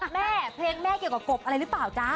แม่เพลงแม่เกี่ยวกับกบอะไรหรือเปล่าจ๊ะ